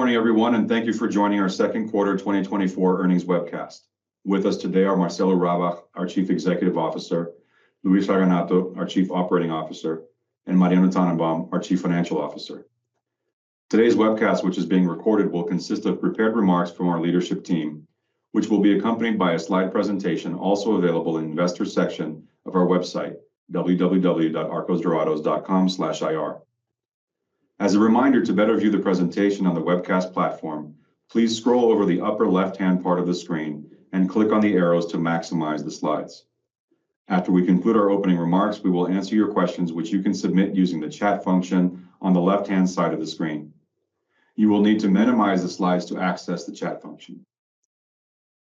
Good morning, everyone, and thank you for joining our second quarter 2024 earnings webcast. With us today are Marcelo Rabach, our Chief Executive Officer, Luis Raganato, our Chief Operating Officer, and Mariano Tannenbaum, our Chief Financial Officer. Today's webcast, which is being recorded, will consist of prepared remarks from our leadership team, which will be accompanied by a slide presentation, also available in the investor section of our website, www.arcosdorados.com/ir. As a reminder, to better view the presentation on the webcast platform, please scroll over the upper left-hand part of the screen and click on the arrows to maximize the slides. After we conclude our opening remarks, we will answer your questions, which you can submit using the chat function on the left-hand side of the screen. You will need to minimize the slides to access the chat function.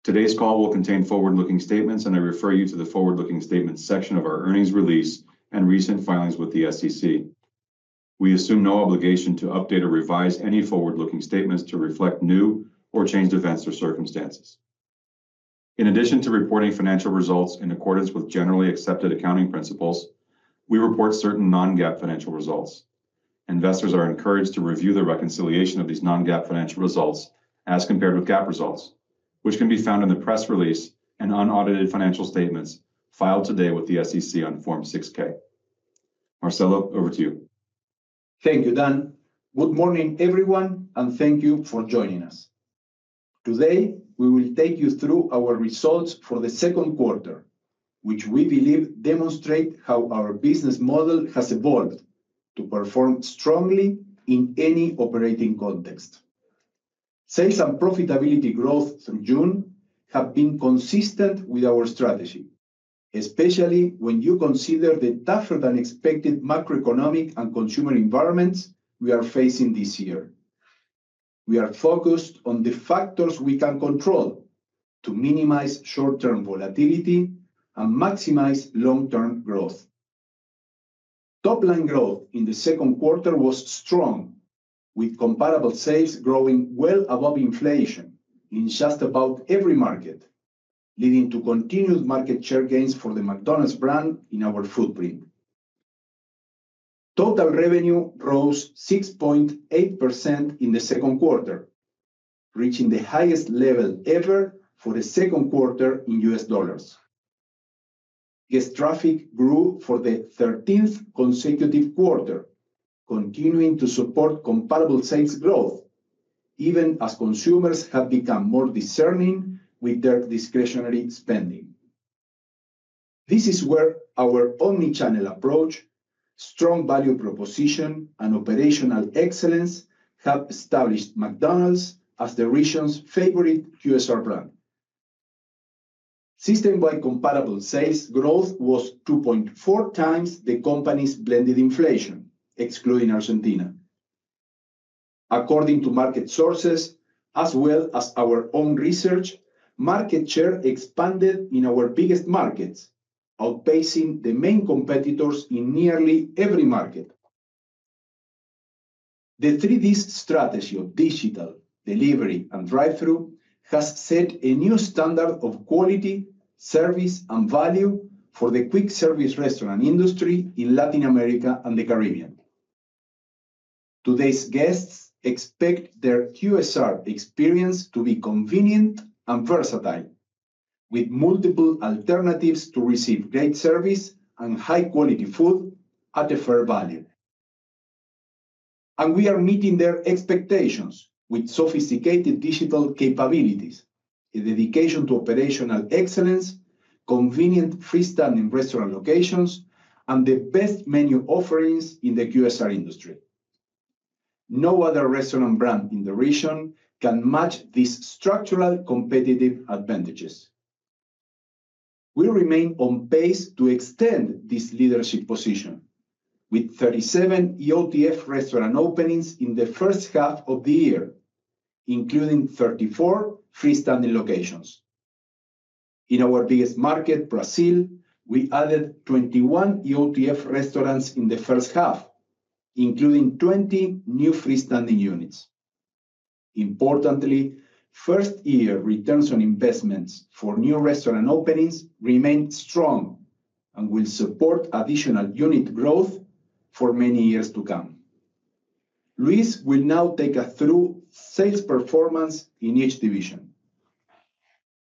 Today's call will contain forward-looking statements, and I refer you to the forward-looking statements section of our earnings release and recent filings with the SEC. We assume no obligation to update or revise any forward-looking statements to reflect new or changed events or circumstances. In addition to reporting financial results in accordance with generally accepted accounting principles, we report certain non-GAAP financial results. Investors are encouraged to review the reconciliation of these non-GAAP financial results as compared with GAAP results, which can be found in the press release and unaudited financial statements filed today with the SEC on Form 6-K. Marcelo, over to you. Thank you, Dan. Good morning, everyone, and thank you for joining us. Today, we will take you through our results for the second quarter, which we believe demonstrate how our business model has evolved to perform strongly in any operating context. Sales and profitability growth through June have been consistent with our strategy, especially when you consider the tougher-than-expected macroeconomic and consumer environments we are facing this year. We are focused on the factors we can control to minimize short-term volatility and maximize long-term growth. Top-line growth in the second quarter was strong, with comparable sales growing well above inflation in just about every market, leading to continued market share gains for the McDonald's brand in our footprint. Total revenue rose 6.8% in the second quarter, reaching the highest level ever for the second quarter in US dollars. Guest traffic grew for the 13th consecutive quarter, continuing to support comparable sales growth, even as consumers have become more discerning with their discretionary spending. This is where our omnichannel approach, strong value proposition, and operational excellence have established McDonald's as the region's favorite QSR brand. System-wide comparable sales growth was 2.4x the company's blended inflation, excluding Argentina. According to market sources, as well as our own research, market share expanded in our biggest markets, outpacing the main competitors in nearly every market. The 3D strategy of digital, delivery, and drive-thru has set a new standard of quality, service, and value for the quick service restaurant industry in Latin America and the Caribbean. Today's guests expect their QSR experience to be convenient and versatile, with multiple alternatives to receive great service and high-quality food at a fair value. We are meeting their expectations with sophisticated digital capabilities, a dedication to operational excellence, convenient freestanding restaurant locations, and the best menu offerings in the QSR industry. No other restaurant brand in the region can match these structural competitive advantages. We remain on pace to extend this leadership position with 37 EOTF restaurant openings in the first half of the year, including 34 freestanding locations. In our biggest market, Brazil, we added 21 EOTF restaurants in the first half, including 20 new freestanding units. Importantly, first-year returns on investments for new restaurant openings remained strong and will support additional unit growth for many years to come. Luis will now take us through sales performance in each division.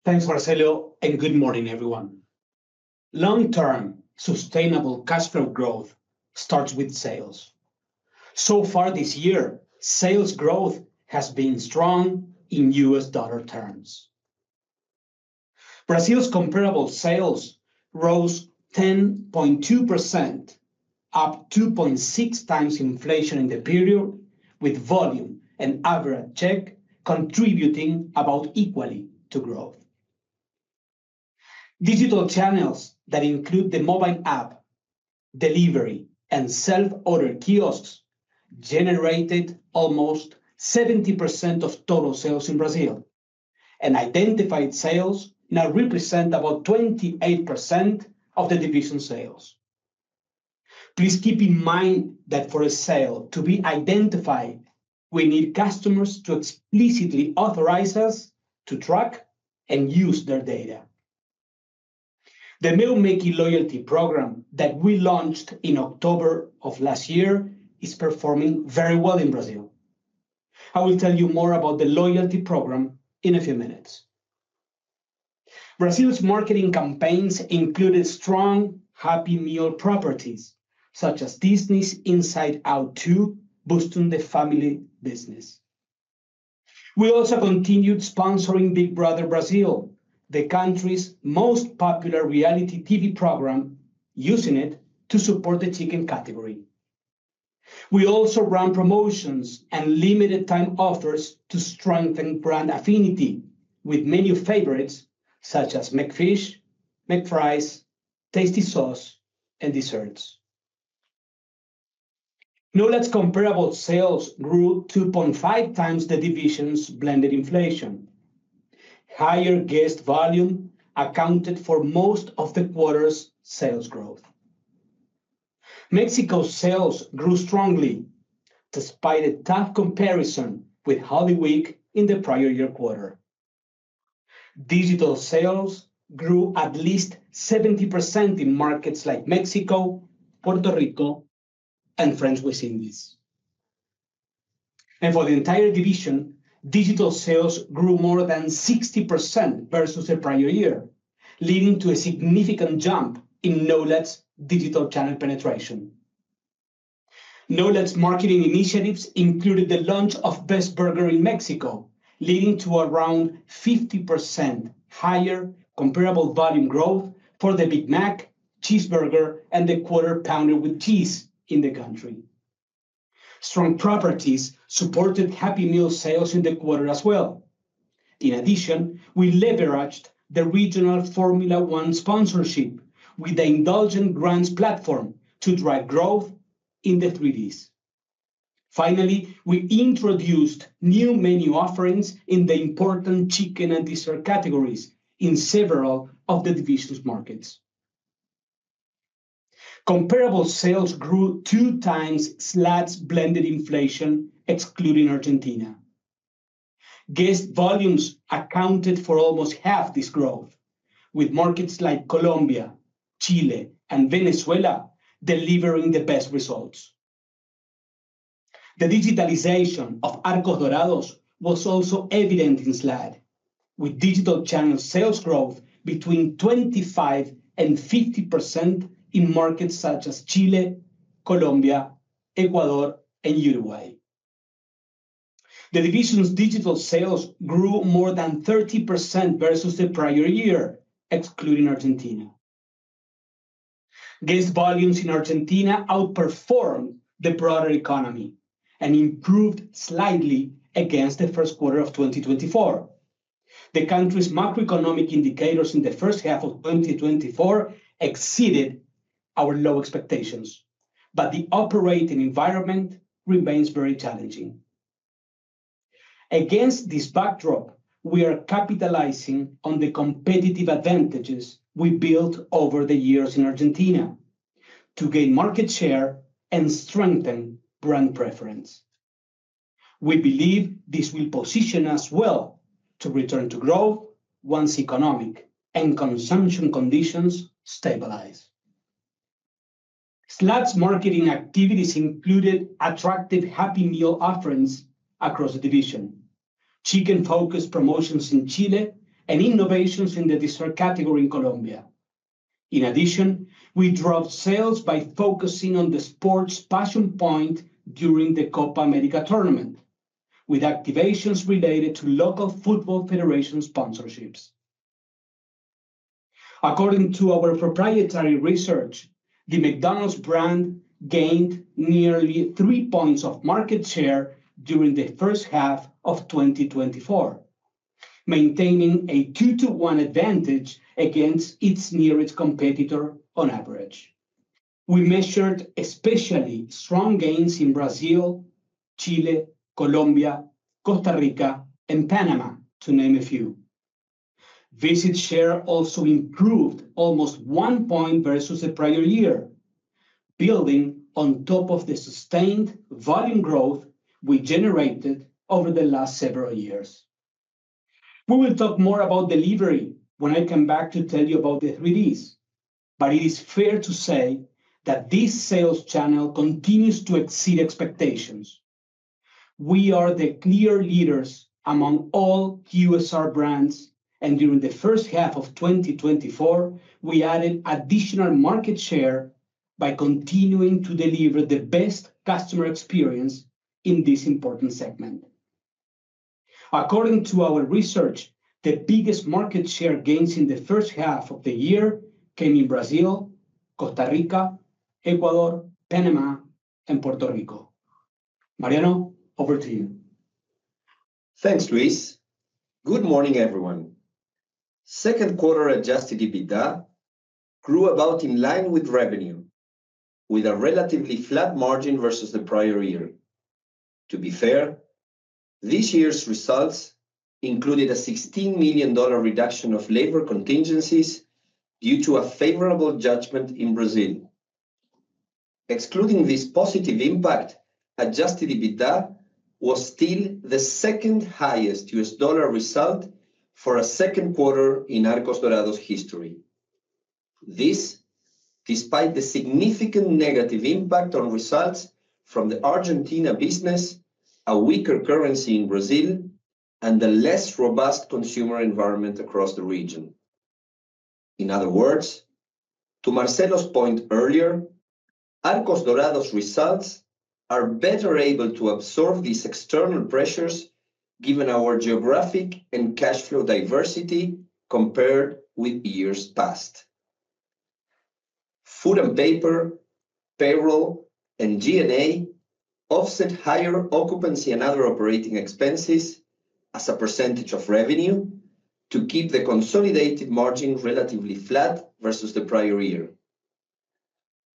Thanks, Marcelo, and good morning, everyone. Long-term sustainable cash flow growth starts with sales. So far this year, sales growth has been strong in US dollar terms. Brazil's comparable sales rose 10.2%, up 2.6x inflation in the period, with volume and average check contributing about equally to growth. Digital channels that include the mobile app, delivery, and self-order kiosks generated almost 70% of total sales in Brazil, and identified sales now represent about 28% of the division's sales. Please keep in mind that for a sale to be identified, we need customers to explicitly authorize us to track and use their data. The Meu Méqui loyalty program that we launched in October of last year is performing very well in Brazil. I will tell you more about the loyalty program in a few minutes. Brazil's marketing campaigns included strong Happy Meal properties, such as Disney's Inside Out 2, boosting the family business. We also continued sponsoring Big Brother Brasil, the country's most popular reality TV program, using it to support the chicken category. We also ran promotions and limited time offers to strengthen brand affinity with menu favorites such as McFish, McFries, Tasty Sauce, and desserts. NOLAD's comparable sales grew 2.5x the division's blended inflation. Higher guest volume accounted for most of the quarter's sales growth. Mexico's sales grew strongly, despite a tough comparison with Holy Week in the prior year quarter. Digital sales grew at least 70% in markets like Mexico, Puerto Rico, and French West Indies. For the entire division, digital sales grew more than 60% versus the prior year, leading to a significant jump in NOLAD's digital channel penetration. NOLAD's marketing initiatives included the launch of Best Burger in Mexico, leading to around 50% higher comparable volume growth for the Big Mac, Cheeseburger, and the Quarter Pounder with Cheese in the country. Strong promotions supported Happy Meal sales in the quarter as well. In addition, we leveraged the regional Formula One sponsorship with the Indulgent Grands platform to drive growth in the 3Ds. Finally, we introduced new menu offerings in the important chicken and dessert categories in several of the division's markets. Comparable sales grew two times SLAD's blended inflation, excluding Argentina. Guest volumes accounted for almost half this growth, with markets like Colombia, Chile, and Venezuela delivering the best results. The digitalization of Arcos Dorados was also evident in SLAD, with digital channel sales growth between 25% and 50% in markets such as Chile, Colombia, Ecuador, and Uruguay. The division's digital sales grew more than 30% versus the prior year, excluding Argentina. Guest volumes in Argentina outperformed the broader economy and improved slightly against the first quarter of 2024. The country's macroeconomic indicators in the first half of 2024 exceeded our low expectations, but the operating environment remains very challenging. Against this backdrop, we are capitalizing on the competitive advantages we built over the years in Argentina to gain market share and strengthen brand preference. We believe this will position us well to return to growth once economic and consumption conditions stabilize. SLAD's marketing activities included attractive Happy Meal offerings across the division, chicken-focused promotions in Chile, and innovations in the dessert category in Colombia. In addition, we drove sales by focusing on the sports passion point during the Copa América tournament, with activations related to local football federation sponsorships. According to our proprietary research, the McDonald's brand gained nearly 3 points of market share during the first half of 2024, maintaining a 2-to-1 advantage against its nearest competitor on average. We measured especially strong gains in Brazil, Chile, Colombia, Costa Rica, and Panama, to name a few. Visit share also improved almost 1 point versus the prior year, building on top of the sustained volume growth we generated over the last several years. We will talk more about delivery when I come back to tell you about the Three D's, but it is fair to say that this sales channel continues to exceed expectations. We are the clear leaders among all QSR brands, and during the first half of 2024, we added additional market share by continuing to deliver the best customer experience in this important segment. According to our research, the biggest market share gains in the first half of the year came in Brazil, Costa Rica, Ecuador, Panama, and Puerto Rico. Mariano, over to you. Thanks, Luis. Good morning, everyone. Second quarter adjusted EBITDA grew about in line with revenue, with a relatively flat margin versus the prior year. To be fair, this year's results included a $16 million reduction of labor contingencies due to a favorable judgment in Brazil. Excluding this positive impact, adjusted EBITDA was still the second highest US dollar result for a second quarter in Arcos Dorados' history. This, despite the significant negative impact on results from the Argentina business, a weaker currency in Brazil, and the less robust consumer environment across the region. In other words, to Marcelo's point earlier, Arcos Dorados results are better able to absorb these external pressures, given our geographic and cash flow diversity compared with years past. Food and paper, payroll, and G&A offset higher occupancy and other operating expenses as a percentage of revenue to keep the consolidated margin relatively flat versus the prior year.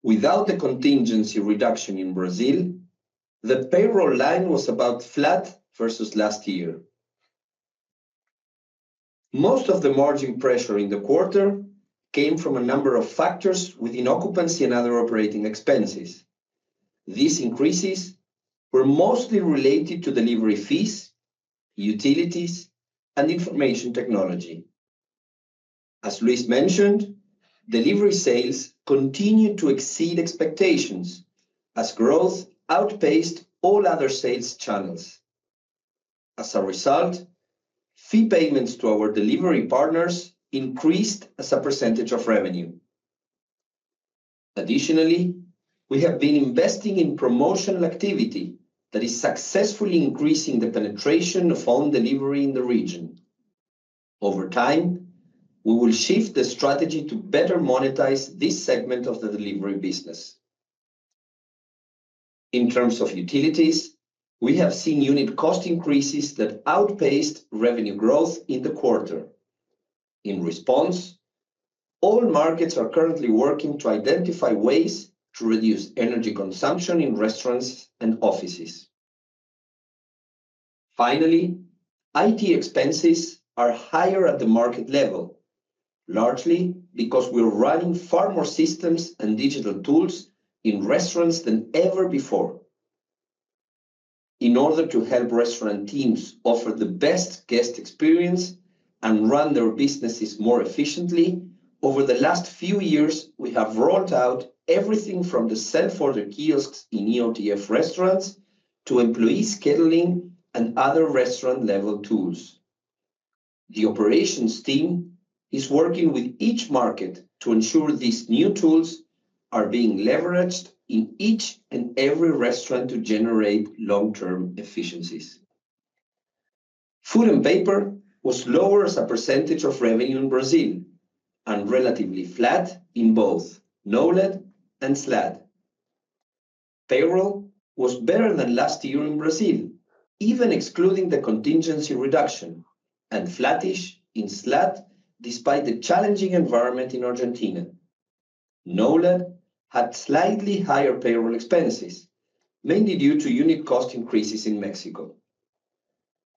Without the contingency reduction in Brazil, the payroll line was about flat versus last year. Most of the margin pressure in the quarter came from a number of factors within occupancy and other operating expenses. These increases were mostly related to delivery fees, utilities, and information technology. As Luis mentioned, delivery sales continued to exceed expectations as growth outpaced all other sales channels. As a result, fee payments to our delivery partners increased as a percentage of revenue. Additionally, we have been investing in promotional activity that is successfully increasing the penetration of phone delivery in the region. Over time, we will shift the strategy to better monetize this segment of the delivery business. In terms of utilities, we have seen unit cost increases that outpaced revenue growth in the quarter. In response, all markets are currently working to identify ways to reduce energy consumption in restaurants and offices. Finally, IT expenses are higher at the market level, largely because we're running far more systems and digital tools in restaurants than ever before. In order to help restaurant teams offer the best guest experience and run their businesses more efficiently, over the last few years, we have rolled out everything from the self-order kiosks in EOTF restaurants to employee scheduling and other restaurant level tools. The operations team is working with each market to ensure these new tools are being leveraged in each and every restaurant to generate long-term efficiencies. Food and paper was lower as a percentage of revenue in Brazil and relatively flat in both NOLAD and SLAD. Payroll was better than last year in Brazil, even excluding the contingency reduction, and flattish in SLAD, despite the challenging environment in Argentina. NOLAD had slightly higher payroll expenses, mainly due to unit cost increases in Mexico.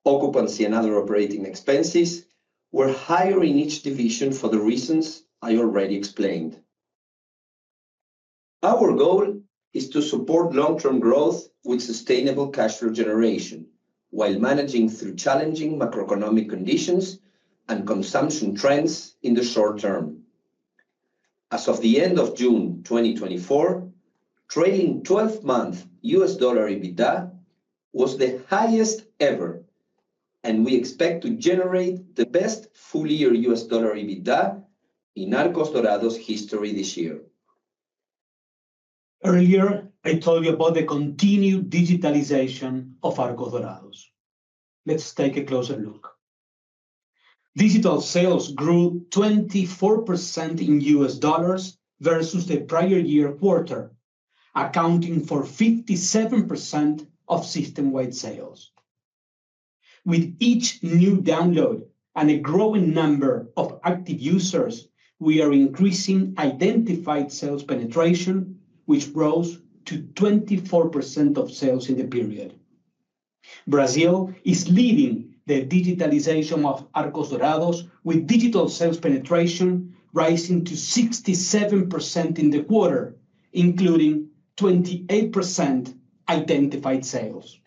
Occupancy and other operating expenses were higher in each division for the reasons I already explained. Our goal is to support long-term growth with sustainable cash flow generation, while managing through challenging macroeconomic conditions and consumption trends in the short term. As of the end of June 2024, trailing 12-month US dollar EBITDA was the highest ever, and we expect to generate the best full-year US dollar EBITDA in Arcos Dorados' history this year. Earlier, I told you about the continued digitalization of Arcos Dorados. Let's take a closer look. Digital sales grew 24% in US dollars versus the prior-year quarter, accounting for 57% of systemwide sales. With each new download and a growing number of active users, we are increasing identified sales penetration, which rose to 24% of sales in the period. Brazil is leading the digitalization of Arcos Dorados, with digital sales penetration rising to 67% in the quarter, including 28% identified sales.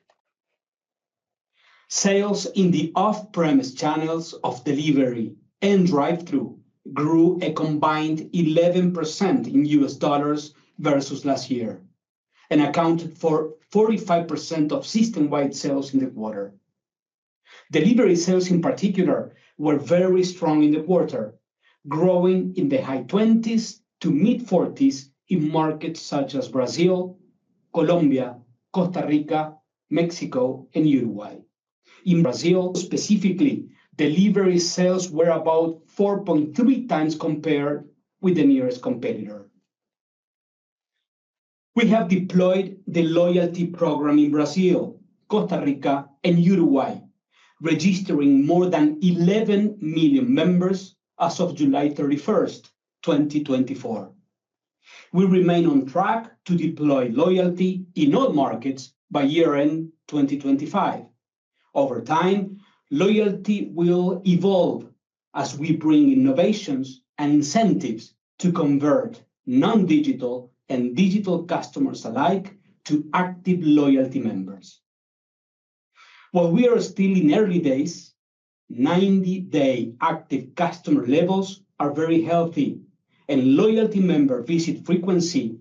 Sales in the off-premise channels of delivery and drive-thru grew a combined 11% in US dollars versus last year and accounted for 45% of system wide sales in the quarter. Delivery sales, in particular, were very strong in the quarter, growing in the high-20s to mid-40s in markets such as Brazil, Colombia, Costa Rica, Mexico, and Uruguay. In Brazil, specifically, delivery sales were about 4.3 times compared with the nearest competitor. We have deployed the loyalty program in Brazil, Costa Rica, and Uruguay, registering more than 11 million members as of July 31, 2024. We remain on track to deploy loyalty in all markets by year-end 2025.... Over time, loyalty will evolve as we bring innovations and incentives to convert non-digital and digital customers alike to active loyalty members. While we are still in early days, 90-day active customer levels are very healthy, and loyalty member visit frequency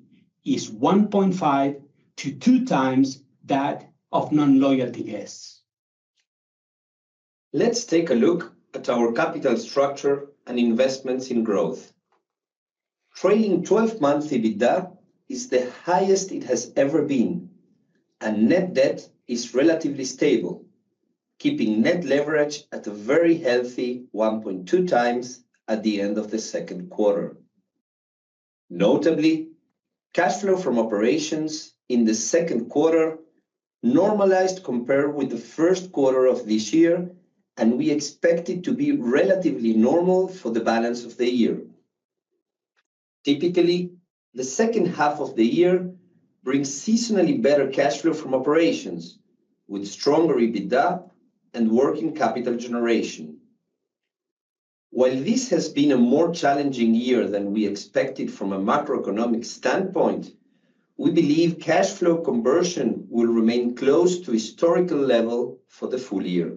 is 1.5 times to 2 times that of non-loyalty guests. Let's take a look at our capital structure and investments in growth. Trailing 12-month EBITDA is the highest it has ever been, and net debt is relatively stable, keeping net leverage at a very healthy 1.2 times at the end of the second quarter. Notably, cash flow from operations in the second quarter normalized compared with the first quarter of this year, and we expect it to be relatively normal for the balance of the year. Typically, the second half of the year brings seasonally better cash flow from operations, with stronger EBITDA and working capital generation. While this has been a more challenging year than we expected from a macroeconomic standpoint, we believe cash flow conversion will remain close to historical level for the full year.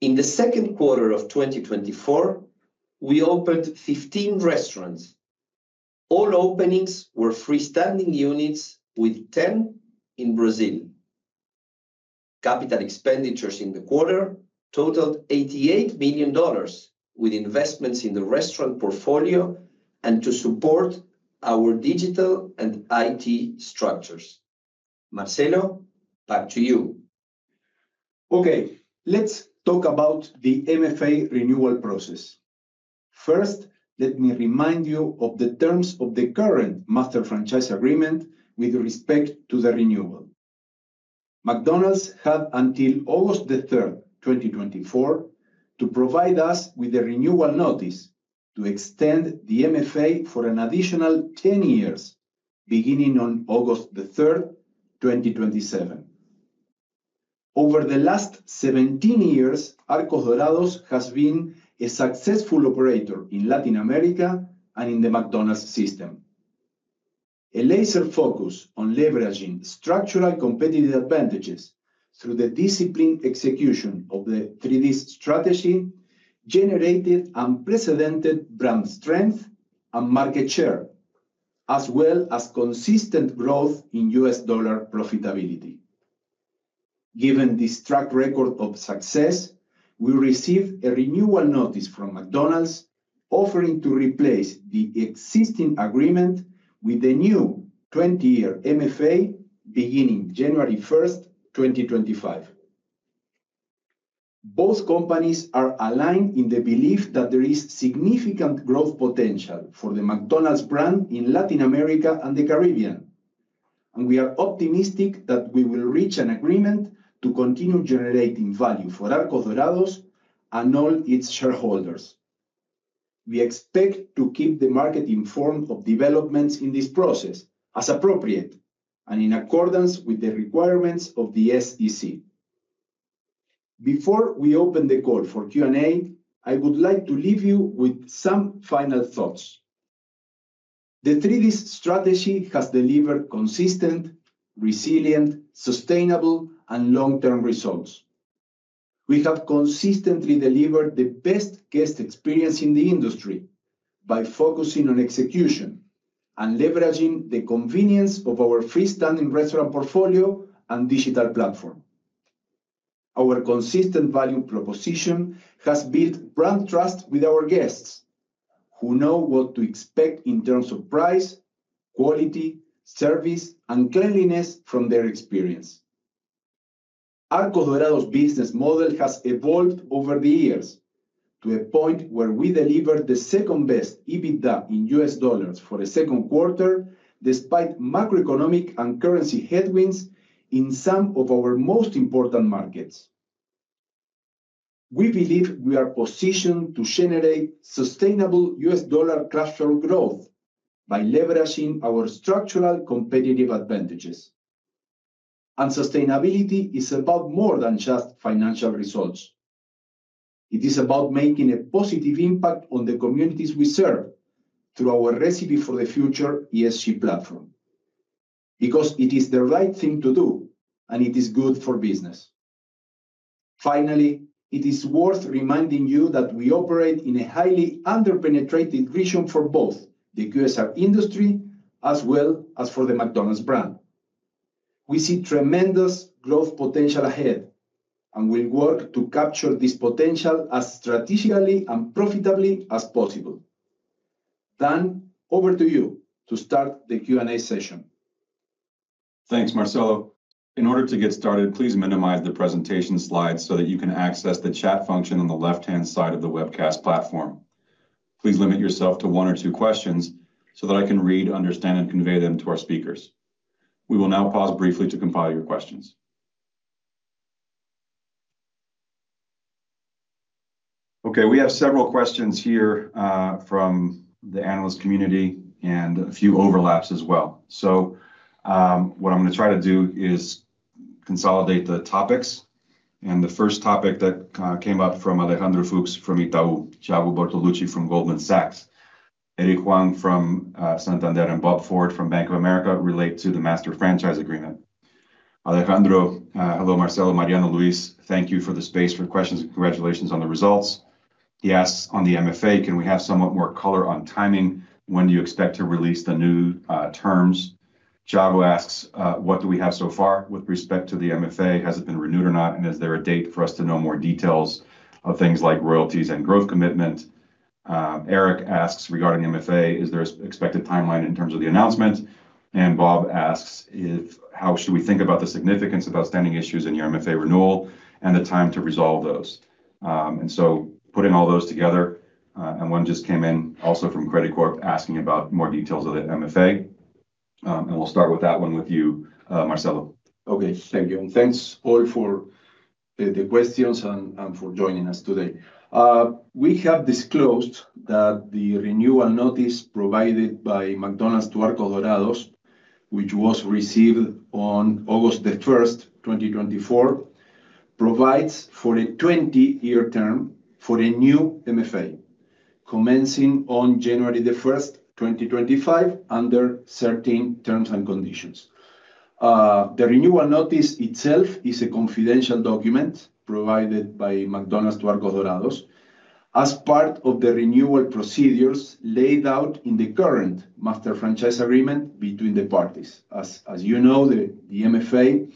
In the second quarter of 2024, we opened 15 restaurants. All openings were freestanding units, with 10 in Brazil. Capital expenditures in the quarter totaled $88 million, with investments in the restaurant portfolio and to support our digital and IT structures. Marcelo, back to you. Okay, let's talk about the MFA renewal process. First, let me remind you of the terms of the current master franchise agreement with respect to the renewal. McDonald's had until August 3, 2024, to provide us with a renewal notice to extend the MFA for an additional 10 years, beginning on August 3, 2027. Over the last 17 years, Arcos Dorados has been a successful operator in Latin America and in the McDonald's system. A laser focus on leveraging structural competitive advantages through the disciplined execution of the Three D strategy, generated unprecedented brand strength and market share, as well as consistent growth in US dollar profitability. Given this track record of success, we received a renewal notice from McDonald's, offering to replace the existing agreement with a new 20-year MFA, beginning January 1, 2025. Both companies are aligned in the belief that there is significant growth potential for the McDonald's brand in Latin America and the Caribbean, and we are optimistic that we will reach an agreement to continue generating value for Arcos Dorados and all its shareholders. We expect to keep the market informed of developments in this process, as appropriate, and in accordance with the requirements of the SEC. Before we open the call for Q&A, I would like to leave you with some final thoughts. The Three Ds strategy has delivered consistent, resilient, sustainable, and long-term results. We have consistently delivered the best guest experience in the industry by focusing on execution and leveraging the convenience of our freestanding restaurant portfolio and digital platform. Our consistent value proposition has built brand trust with our guests, who know what to expect in terms of price, quality, service, and cleanliness from their experience. Arcos Dorados' business model has evolved over the years to a point where we deliver the second-best EBITDA in US dollars for the second quarter, despite macroeconomic and currency headwinds in some of our most important markets. We believe we are positioned to generate sustainable US dollar cash flow growth by leveraging our structural competitive advantages. Sustainability is about more than just financial results. It is about making a positive impact on the communities we serve through our Recipe for the Future ESG platform, because it is the right thing to do, and it is good for business. Finally, it is worth reminding you that we operate in a highly underpenetrated region for both the QSR industry as well as for the McDonald's brand. We see tremendous growth potential ahead, and we work to capture this potential as strategically and profitably as possible. Dan, over to you to start the Q&A session. Thanks, Marcelo. In order to get started, please minimize the presentation slides so that you can access the chat function on the left-hand side of the webcast platform. Please limit yourself to one or two questions so that I can read, understand, and convey them to our speakers. We will now pause briefly to compile your questions.... Okay, we have several questions here from the analyst community and a few overlaps as well. So, what I'm going to try to do is consolidate the topics, and the first topic that came up from Alejandro Fuchs from Itaú, Thiago Bortoluci from Goldman Sachs, Eric Huang from Santander, and Bob Ford from Bank of America relate to the master franchise agreement. Alejandro, "Hello, Marcelo, Mariano, Luis. Thank you for the space for questions, and congratulations on the results." He asks, on the MFA, "Can we have somewhat more color on timing? When do you expect to release the new, terms?" Tiago asks, "What do we have so far with respect to the MFA? Has it been renewed or not, and is there a date for us to know more details of things like royalties and growth commitment?" Eric asks, "Regarding MFA, is there an expected timeline in terms of the announcement?" And Bob asks if-- "How should we think about the significance of outstanding issues in your MFA renewal and the time to resolve those?" and so putting all those together, and one just came in also from Credicorp, asking about more details of the MFA. and we'll start with that one with you, Marcelo. Okay, thank you. And thanks, all, for the questions and for joining us today. We have disclosed that the renewal notice provided by McDonald's to Arcos Dorados, which was received on August 1, 2024, provides for a 20-year term for a new MFA, commencing on January 1, 2025, under certain terms and conditions. The renewal notice itself is a confidential document provided by McDonald's to Arcos Dorados as part of the renewal procedures laid out in the current master franchise agreement between the parties. As you know, the MFA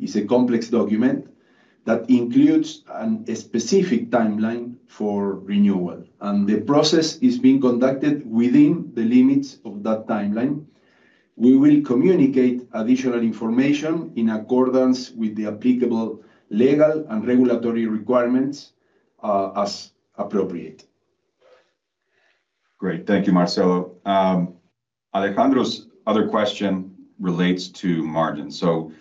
is a complex document that includes a specific timeline for renewal, and the process is being conducted within the limits of that timeline. We will communicate additional information in accordance with the applicable legal and regulatory requirements, as appropriate. Great. Thank you, Marcelo. Alejandro's other question relates to margins. So,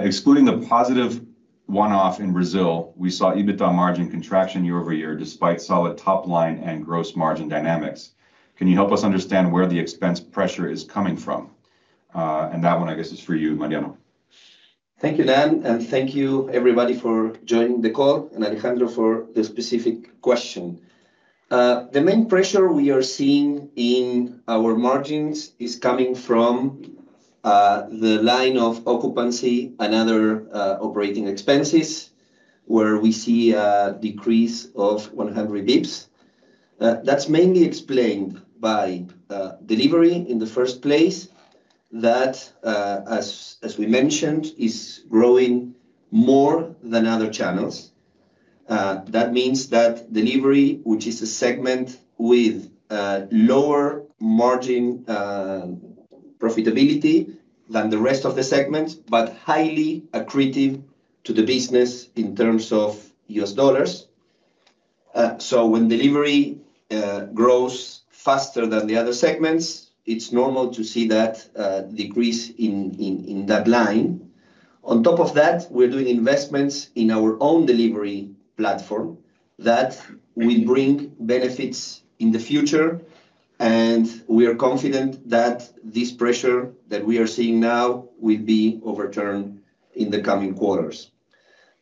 excluding the positive one-off in Brazil, we saw EBITDA margin contraction year-over-year, despite solid top line and gross margin dynamics. Can you help us understand where the expense pressure is coming from? That one, I guess, is for you, Mariano. Thank you, Dan, and thank you everybody for joining the call, and Alejandro for the specific question. The main pressure we are seeing in our margins is coming from the line of occupancy and other operating expenses, where we see a decrease of 100 basis points. That's mainly explained by delivery in the first place, that, as we mentioned, is growing more than other channels. That means that delivery, which is a segment with a lower margin profitability than the rest of the segments, but highly accretive to the business in terms of US dollars. So when delivery grows faster than the other segments, it's normal to see that decrease in that line. On top of that, we're doing investments in our own delivery platform that will bring benefits in the future, and we are confident that this pressure that we are seeing now will be overturned in the coming quarters.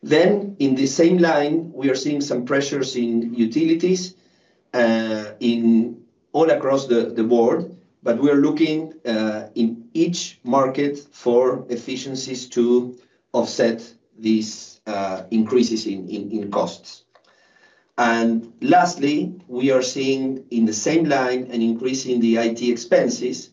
Then, in the same line, we are seeing some pressures in utilities across the board, but we are looking in each market for efficiencies to offset these increases in costs. And lastly, we are seeing, in the same line, an increase in the IT expenses.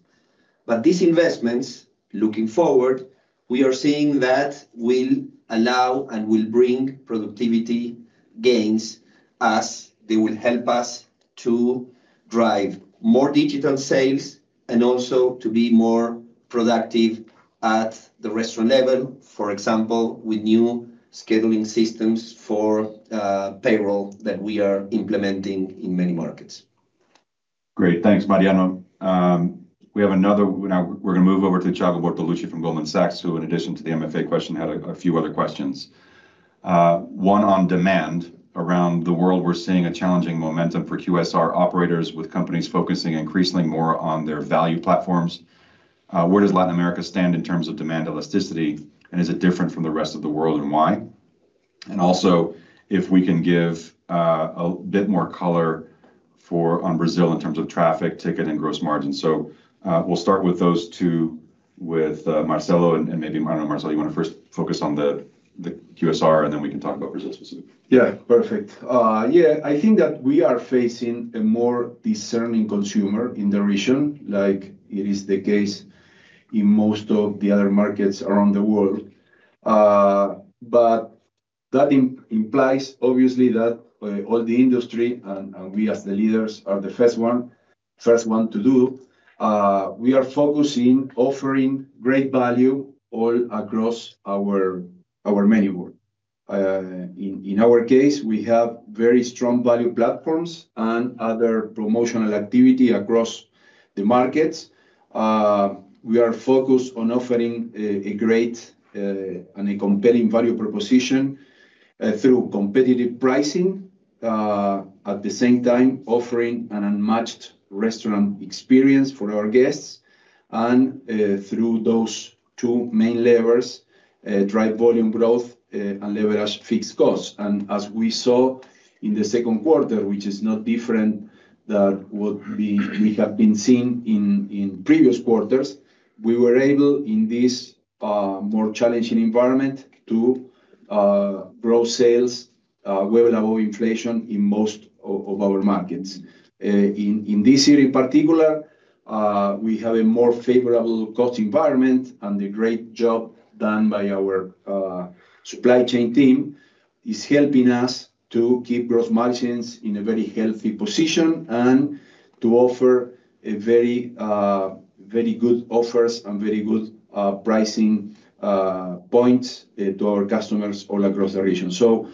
But these investments, looking forward, we are seeing that will allow and will bring productivity gains, as they will help us to drive more digital sales and also to be more productive at the restaurant level. For example, with new scheduling systems for payroll that we are implementing in many markets. Great. Thanks, Mariano. Now, we're going to move over to Thiago Bortoluci from Goldman Sachs, who, in addition to the MFA question, had a few other questions. One, on demand. Around the world, we're seeing a challenging momentum for QSR operators, with companies focusing increasingly more on their value platforms. Where does Latin America stand in terms of demand elasticity, and is it different from the rest of the world, and why? And also, if we can give a bit more color on Brazil in terms of traffic, ticket, and gross margin. So, we'll start with those two with Marcelo, and maybe, Mariano, Marcelo, you want to first focus on the QSR, and then we can talk about Brazil specifically. Yeah, perfect. Yeah, I think that we are facing a more discerning consumer in the region, like it is the case in most of the other markets around the world. But that implies, obviously, that all the industry, and we as the leaders, are the first one to do. We are focusing, offering great value all across our menu board. In our case, we have very strong value platforms and other promotional activity across the markets. We are focused on offering a great and a compelling value proposition through competitive pricing... at the same time, offering an unmatched restaurant experience for our guests. Through those two main levels, drive volume growth and leverage fixed costs. And as we saw in the second quarter, which is not different than what we have been seeing in previous quarters, we were able, in this more challenging environment, to grow sales well above inflation in most of our markets. In this year in particular, we have a more favorable cost environment and the great job done by our supply chain team is helping us to keep gross margins in a very healthy position, and to offer a very very good offers and very good pricing points to our customers all across the region. So,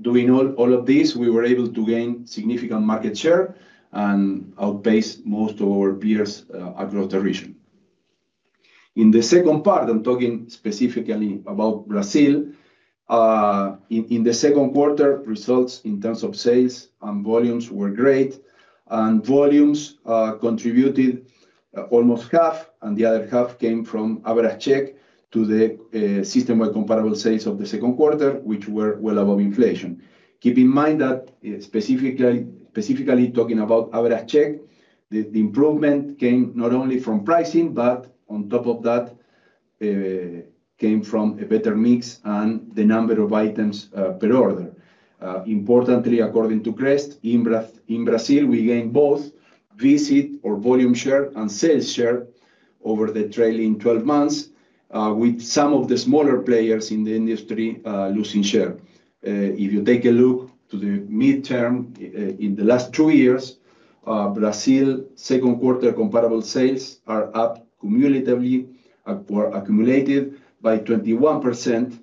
doing all of this, we were able to gain significant market share and outpace most of our peers across the region. In the second part, I'm talking specifically about Brazil. In the second quarter, results in terms of sales and volumes were great. Volumes contributed almost half, and the other half came from average check to the system and comparable sales of the second quarter, which were well above inflation. Keep in mind that, specifically talking about average check, the improvement came not only from pricing, but on top of that, came from a better mix and the number of items per order. Importantly, according to CREST, in Brazil, we gained both visit or volume share and sales share over the trailing twelve months, with some of the smaller players in the industry losing share. If you take a look to the midterm, in the last two years, Brazil second quarter comparable sales are up cumulatively, or accumulated by 21%,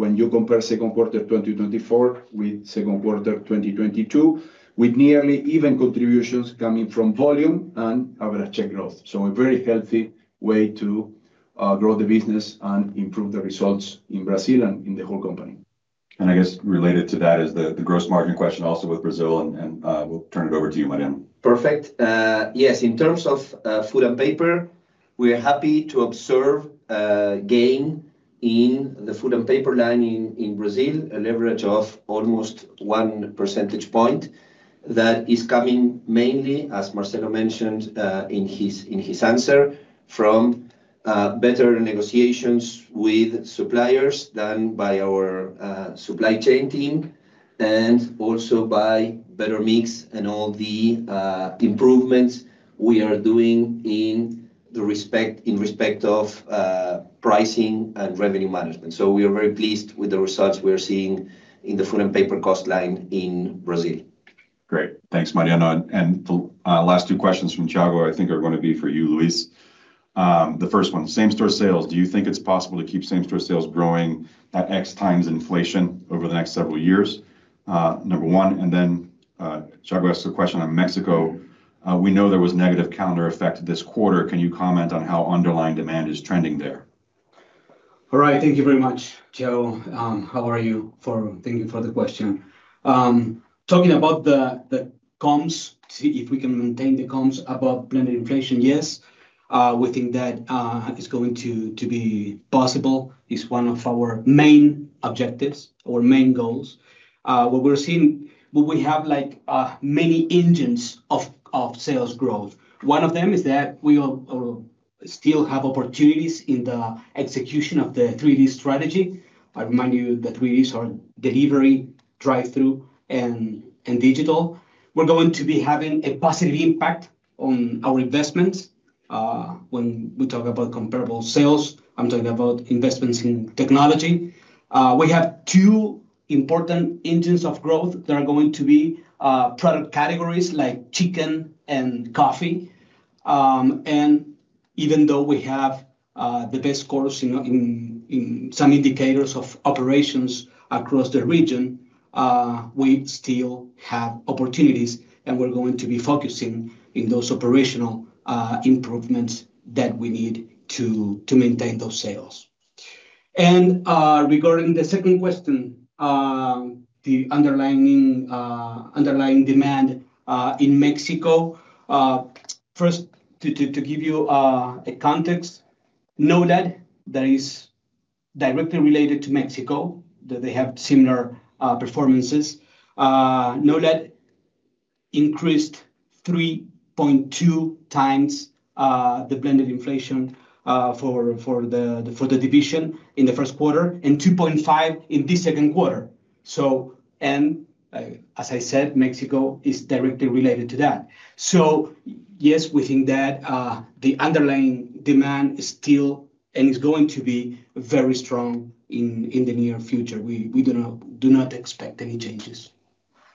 when you compare second quarter 2024 with second quarter 2022, with nearly even contributions coming from volume and average check growth. So a very healthy way to grow the business and improve the results in Brazil and in the whole company. I guess related to that is the gross margin question also with Brazil, and we'll turn it over to you, Mariano. Perfect. Yes, in terms of food and paper, we are happy to observe a gain in the food and paper line in Brazil, a leverage of almost 1 percentage point. That is coming mainly, as Marcelo mentioned, in his answer, from better negotiations with suppliers done by our supply chain team, and also by better mix and all the improvements we are doing in respect of pricing and revenue management. So we are very pleased with the results we are seeing in the food and paper cost line in Brazil. Great. Thanks, Mariano. And the last two questions from Thiago, I think are gonna be for you, Luis. The first one, same-store sales. Do you think it's possible to keep same-store sales growing at X times inflation over the next several years? Number one, and then Thiago asked a question on Mexico. We know there was negative calendar effect this quarter. Can you comment on how underlying demand is trending there? All right, thank you very much, Joe. Thank you for the question. Talking about the comps to see if we can maintain the comps above blended inflation, yes, we think that it's going to be possible. It's one of our main objectives or main goals. What we're seeing... But we have, like, many engines of sales growth. One of them is that we still have opportunities in the execution of the three D strategy. I remind you that we use our delivery, drive-thru, and digital. We're going to be having a positive impact on our investments when we talk about comparable sales. I'm talking about investments in technology. We have two important engines of growth that are going to be product categories like chicken and coffee. And even though we have the best scores in some indicators of operations across the region, we still have opportunities, and we're going to be focusing in those operational improvements that we need to maintain those sales. And regarding the second question, the underlying demand in Mexico. First, to give you a context, know that that is directly related to Mexico, that they have similar performances. Know that increased 3.2x the blended inflation for the division in the first quarter, and 2.5x in this second quarter. So... And as I said, Mexico is directly related to that. So yes, we think that the underlying demand is still and is going to be very strong in the near future. We do not expect any changes.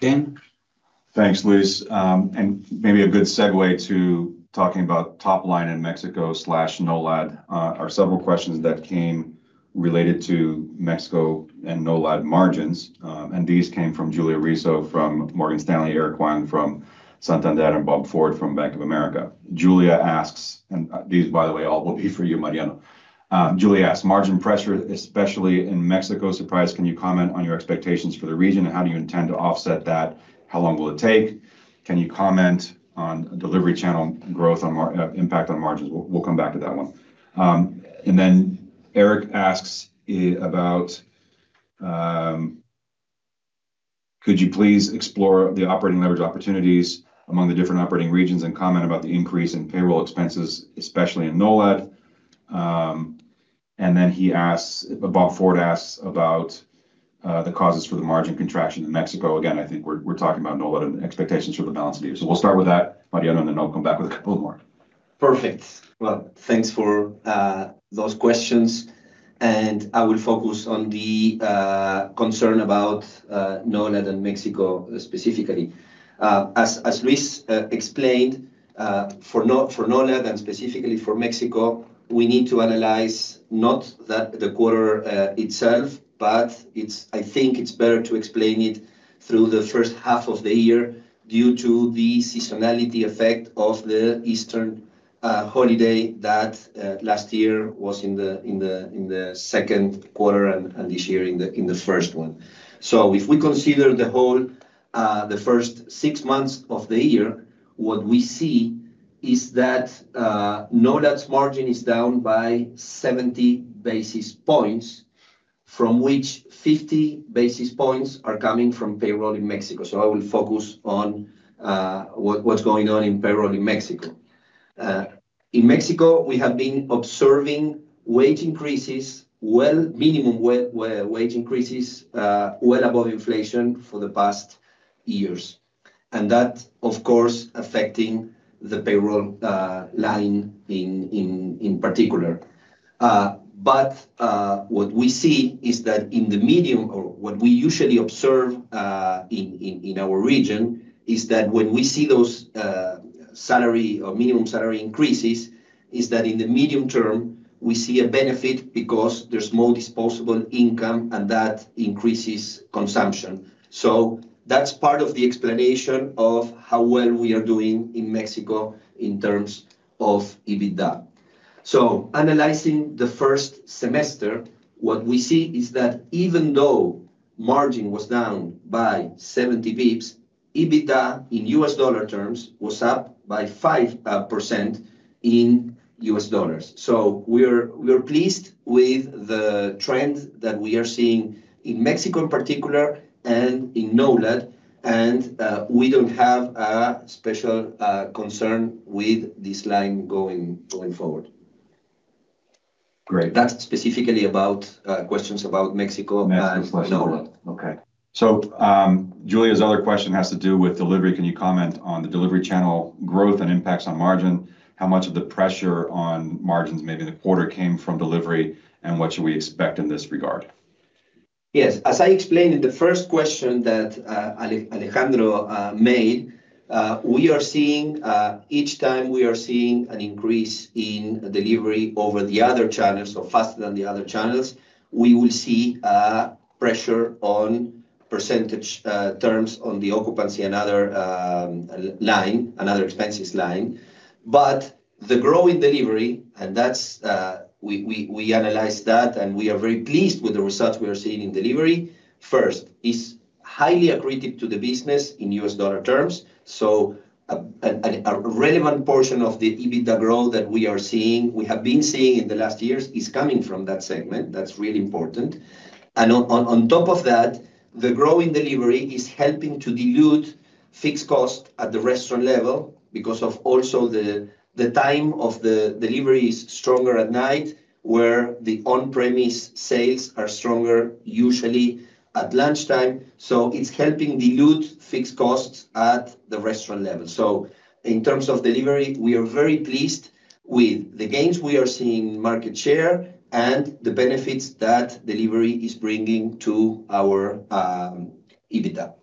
Dan? Thanks, Luis. And maybe a good segue to talking about top line in Mexico/NOLAD, are several questions that came related to Mexico and NOLAD margins, and these came from Julia Rizzo, from Morgan Stanley, Eric Huang from Santander, and Bob Ford from Bank of America. Julia asks, and, these, by the way, all will be for you, Mariano. Julia asks, "Margin pressure, especially in Mexico, surprise, can you comment on your expectations for the region, and how do you intend to offset that? How long will it take? Can you comment on delivery channel growth impact on margins?" We'll come back to that one. And then Eric asks about, "Could you please explore the operating leverage opportunities among the different operating regions and comment about the increase in payroll expenses, especially in NOLAD?" And then he asks, Bob Ford asks about the causes for the margin contraction in Mexico. Again, I think we're talking about NOLAD and expectations for the balance of the year. So we'll start with that, Mariano, and then I'll come back with a couple of more. Perfect. Well, thanks for those questions, and I will focus on the concern about NOLAD and Mexico specifically. As Luis explained, for NOLAD and specifically for Mexico, we need to analyze not the quarter itself, but I think it's better to explain it through the first half of the year due to the seasonality effect of the Easter holiday that last year was in the second quarter and this year in the first one. So if we consider the whole first six months of the year, what we see is that NOLAD's margin is down by 70 basis points, from which 50 basis points are coming from payroll in Mexico. So I will focus on what's going on in payroll in Mexico. In Mexico, we have been observing wage increases, minimum wage increases well above inflation for the past years. And that, of course, affecting the payroll line in particular. But what we see is that in the medium, or what we usually observe, in our region, is that when we see those salary or minimum salary increases, is that in the medium term, we see a benefit because there's more disposable income, and that increases consumption. So that's part of the explanation of how well we are doing in Mexico in terms of EBITDA. So analyzing the first semester, what we see is that even though margin was down by 70 basis points, EBITDA in US dollar terms was up by 5% in US dollars. So we are pleased with the trend that we are seeing in Mexico, in particular, and in NOLAD, and we don't have a special concern with this line going forward. Great. That's specifically about, questions about Mexico- Mexico and NOLAD. And Nolad. Okay. So, Julia's other question has to do with delivery. Can you comment on the delivery channel growth and impacts on margin? How much of the pressure on margins, maybe the quarter came from delivery, and what should we expect in this regard? Yes. As I explained in the first question that Alejandro made, we are seeing each time we are seeing an increase in delivery over the other channels, so faster than the other channels, we will see pressure on percentage terms on the occupancy and other line, another expenses line. But the growth in delivery, and that's, we analyze that, and we are very pleased with the results we are seeing in delivery. First, it's highly accretive to the business in US dollar terms, so a relevant portion of the EBITDA growth that we are seeing, we have been seeing in the last years, is coming from that segment. That's really important. And on top of that, the growth in delivery is helping to dilute fixed cost at the restaurant level because of also the time of the delivery is stronger at night, where the on-premise sales are stronger, usually at lunchtime. So it's helping dilute fixed costs at the restaurant level. So in terms of delivery, we are very pleased with the gains we are seeing in market share and the benefits that delivery is bringing to our EBITDA.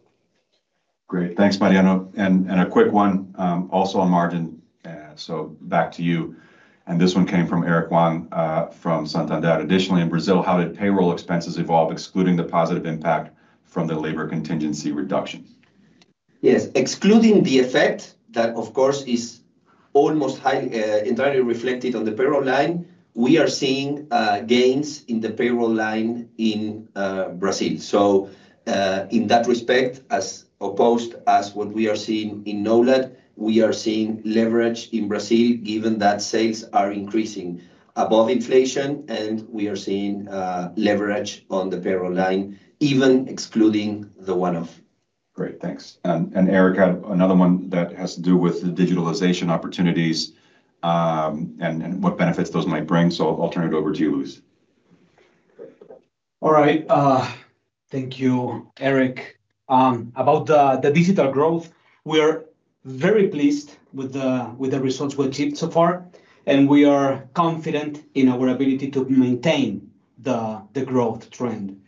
Great. Thanks, Mariano. And a quick one, also on margin, so back to you, and this one came from Eric Huang, from Santander: "Additionally, in Brazil, how did payroll expenses evolve, excluding the positive impact from the labor contingency reduction? Yes. Excluding the effect, that, of course, is almost entirely reflected on the payroll line, we are seeing gains in the payroll line in Brazil. So, in that respect, as opposed to what we are seeing in NOLAD, we are seeing leverage in Brazil, given that sales are increasing above inflation, and we are seeing leverage on the payroll line, even excluding the one-off. Great, thanks. And Eric had another one that has to do with the digitalization opportunities, and what benefits those might bring. So I'll turn it over to you, Luis. All right. Thank you, Eric. About the digital growth, we're very pleased with the results we achieved so far, and we are confident in our ability to maintain the growth trend.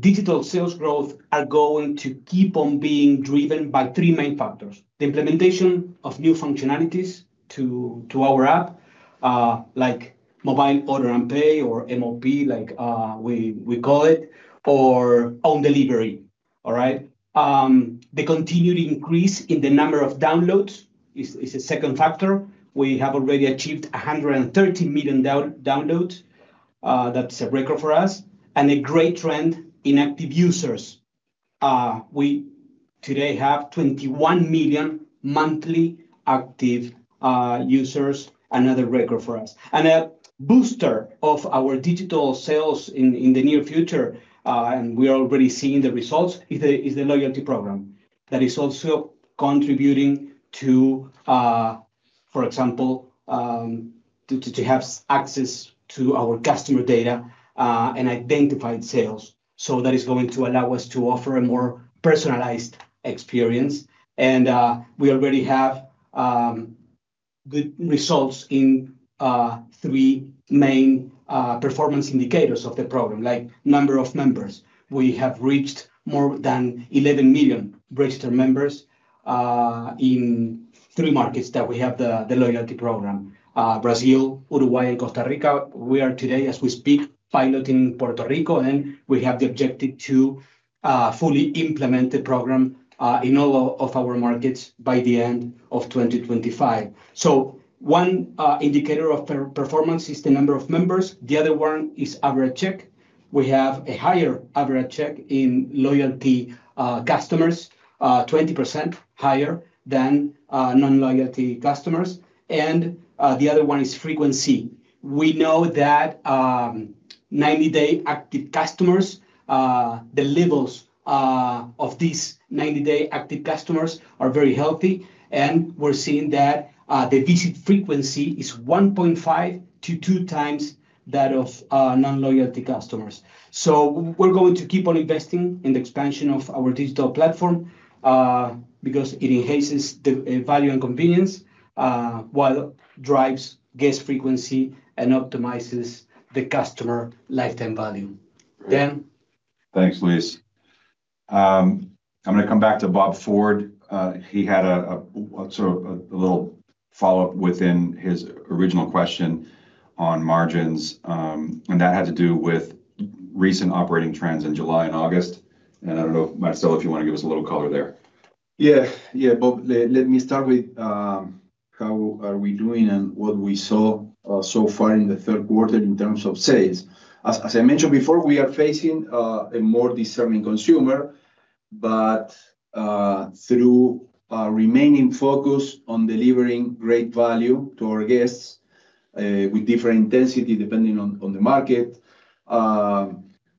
Digital sales growth are going to keep on being driven by three main factors: the implementation of new functionalities to our app, like mobile order and pay or MOP, like we call it, or own delivery, all right? The continued increase in the number of downloads is the second factor. We have already achieved 130 million downloads, that's a record for us, and a great trend in active users. We today have 21 million monthly active users, another record for us. And a booster of our digital sales in the near future, and we are already seeing the results, is the loyalty program that is also contributing to, for example, to have access to our customer data and identified sales. So that is going to allow us to offer a more personalized experience, and we already have good results in three main performance indicators of the program, like number of members. We have reached more than 11 million registered members in three markets that we have the loyalty program, Brazil, Uruguay, and Costa Rica. We are today, as we speak, piloting Puerto Rico, and we have the objective to fully implement the program in all of our markets by the end of 2025. So, one indicator of performance is the number of members, the other one is average check. We have a higher average check in loyalty customers, 20% higher than non-loyalty customers, and the other one is frequency. We know that 90 day active customers, the levels of these ninety-day active customers are very healthy, and we're seeing that the visit frequency is 1.5x-2x that of non-loyalty customers. So we're going to keep on investing in the expansion of our digital platform because it enhances the value and convenience while drives guest frequency and optimizes the customer lifetime value. Dan? Thanks, Luis. I'm gonna come back to Bob Ford. He had a sort of a little follow-up within his original question on margins, and that had to do with recent operating trends in July and August. I don't know if, Marcelo, if you wanna give us a little color there. Yeah. Yeah, Bob, let me start with how are we doing and what we saw so far in the third quarter in terms of sales. As I mentioned before, we are facing a more discerning consumer, but through remaining focused on delivering great value to our guests with different intensity, depending on the market,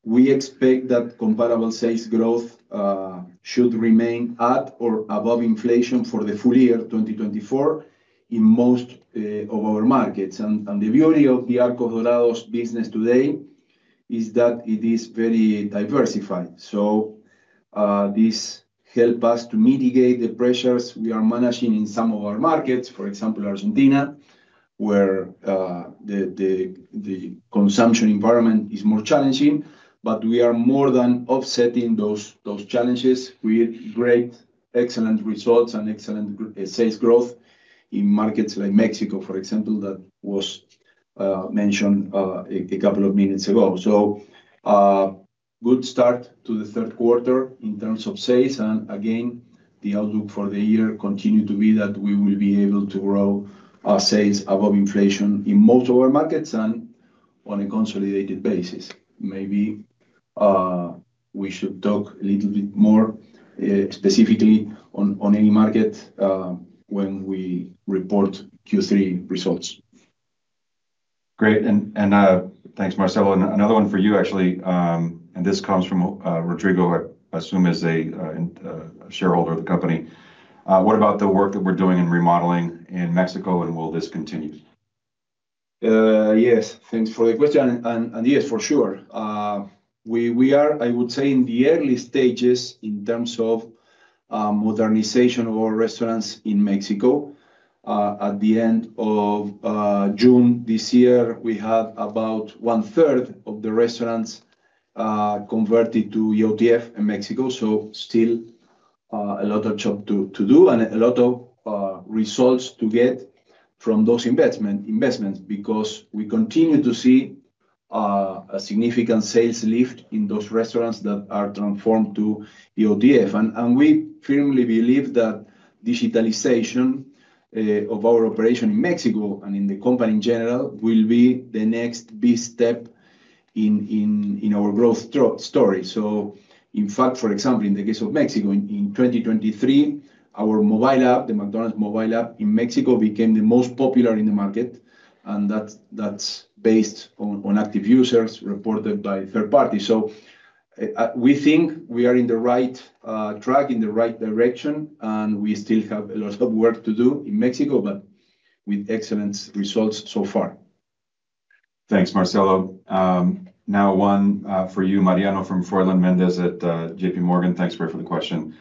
we expect that comparable sales growth should remain at or above inflation for the full year, 2024, in most of our markets. And the beauty of the Arcos Dorados business today is that it is very diversified. So, this help us to mitigate the pressures we are managing in some of our markets, for example, Argentina, where the consumption environment is more challenging, but we are more than offsetting those challenges with great, excellent results and excellent sales growth in markets like Mexico, for example, that was mentioned a couple of minutes ago. So, good start to the third quarter in terms of sales, and again, the outlook for the year continue to be that we will be able to grow our sales above inflation in most of our markets and on a consolidated basis. Maybe, we should talk a little bit more specifically on any market when we report Q3 results. Great, and thanks, Marcelo. And another one for you, actually, and this comes from Rodrigo, I assume is a shareholder of the company. What about the work that we're doing in remodeling in Mexico, and will this continue? Yes, thanks for the question, and yes, for sure. We are, I would say, in the early stages in terms of modernization of our restaurants in Mexico. At the end of June this year, we had about one third of the restaurants converted to EOTF in Mexico, so still a lot of job to do and a lot of results to get from those investments. Because we continue to see a significant sales lift in those restaurants that are transformed to EOTF. And we firmly believe that digitalization of our operation in Mexico and in the company in general will be the next big step in our growth story. So in fact, for example, in the case of Mexico, in 2023, our mobile app, the McDonald's mobile app in Mexico, became the most popular in the market, and that's based on active users reported by third party. So, we think we are in the right track, in the right direction, and we still have a lot of work to do in Mexico, but with excellent results so far. Thanks, Marcelo. Now one for you, Mariano, from Froylan Mendez at JPMorgan. Thanks, Fred, for the question.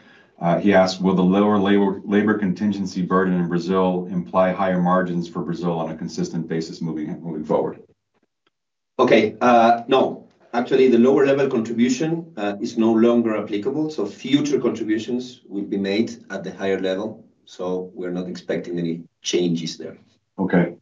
He asked, "Will the lower labor, labor contingency burden in Brazil imply higher margins for Brazil on a consistent basis moving, moving forward?... Okay, no, actually the lower level contribution is no longer applicable, so future contributions will be made at the higher level, so we're not expecting any changes there. Okay.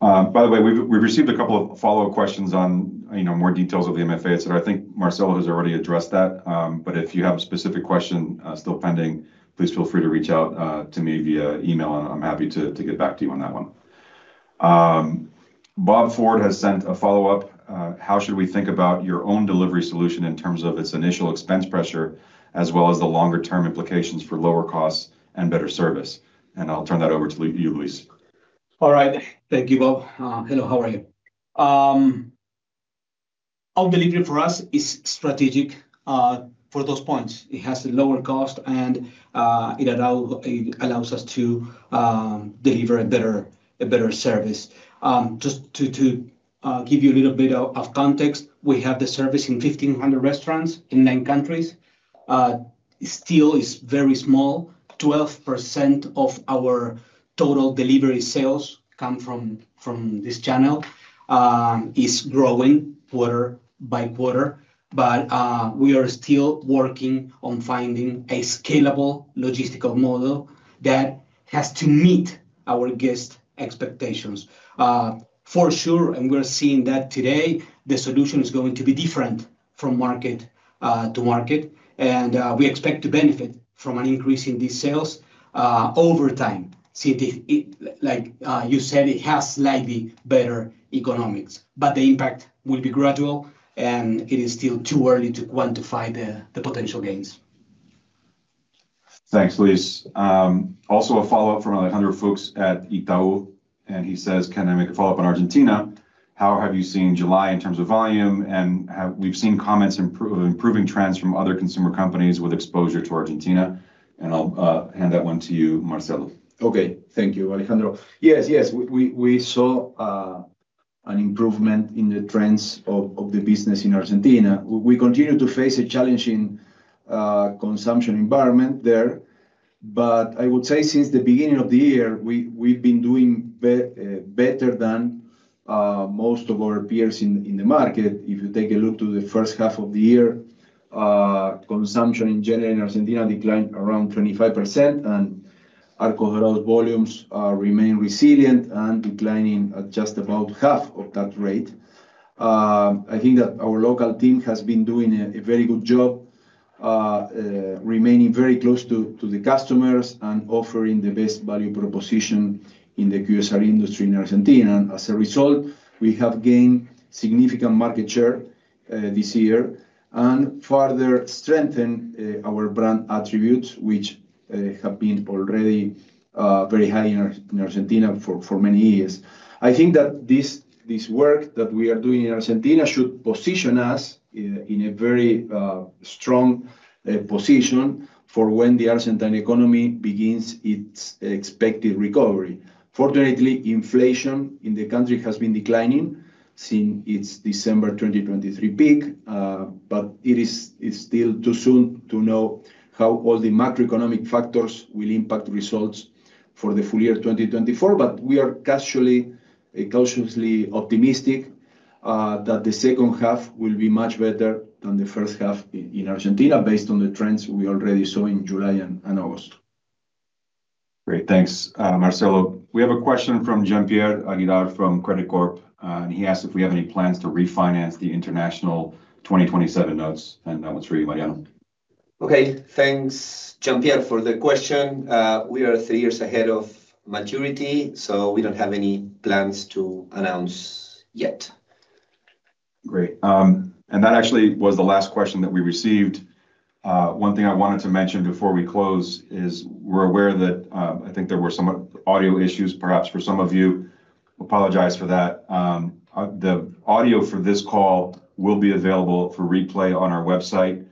By the way, we've received a couple of follow-up questions on, you know, more details of the MFA, so I think Marcelo has already addressed that. But if you have a specific question still pending, please feel free to reach out to me via email, and I'm happy to get back to you on that one. Bob Ford has sent a follow-up: "How should we think about your own delivery solution in terms of its initial expense pressure, as well as the longer term implications for lower costs and better service?" And I'll turn that over to you, Luis. All right. Thank you, Bob. Hello, how are you? Our delivery for us is strategic for those points. It has a lower cost, and it allows us to deliver a better service. Just to give you a little bit of context, we have the service in 1,500 restaurants in 9 countries. Still is very small. 12% of our total delivery sales come from this channel. It's growing quarter-by-quarter, but we are still working on finding a scalable logistical model that has to meet our guest expectations. For sure, and we're seeing that today, the solution is going to be different from market to market, and we expect to benefit from an increase in these sales over time. See, it, like, you said, it has slightly better economics, but the impact will be gradual, and it is still too early to quantify the potential gains. Thanks, Luis. Also a follow-up from Alejandro Fuchs at Itaú, and he says, "Can I make a follow-up on Argentina? How have you seen July in terms of volume, and have we seen comments improving trends from other consumer companies with exposure to Argentina." And I'll hand that one to you, Marcelo. Okay. Thank you, Alejandro. Yes, we saw an improvement in the trends of the business in Argentina. We continue to face a challenging consumption environment there, but I would say since the beginning of the year, we've been doing better than most of our peers in the market. If you take a look to the first half of the year, consumption in general in Argentina declined around 25%, and Arcos Dorados volumes remain resilient and declining at just about half of that rate. I think that our local team has been doing a very good job, remaining very close to the customers and offering the best value proposition in the QSR industry in Argentina. As a result, we have gained significant market share this year and further strengthen our brand attributes, which have been already very high in Argentina for many years. I think that this work that we are doing in Argentina should position us in a very strong position for when the Argentine economy begins its expected recovery. Fortunately, inflation in the country has been declining since its December 2023 peak, but it's still too soon to know how all the macroeconomic factors will impact results for the full year 2024. But we are cautiously optimistic that the second half will be much better than the first half in Argentina, based on the trends we already saw in July and August. Great. Thanks, Marcelo. We have a question from Gian Pierre Aguilar from Credicorp Capital, and he asked if we have any plans to refinance the international 2027 notes, and that one's for you, Mariano. Okay. Thanks, Gian Pierre, for the question. We are three years ahead of maturity, so we don't have any plans to announce yet. Great. And that actually was the last question that we received. One thing I wanted to mention before we close is we're aware that, I think there were some audio issues, perhaps for some of you. Apologize for that. The audio for this call will be available for replay on our website,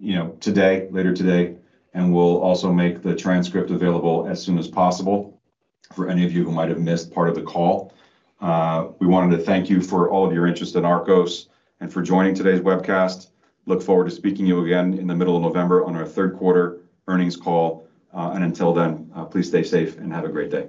you know, today, later today, and we'll also make the transcript available as soon as possible for any of you who might have missed part of the call. We wanted to thank you for all of your interest in Arcos and for joining today's webcast. Look forward to speaking to you again in the middle of November on our third quarter earnings call, and until then, please stay safe and have a great day.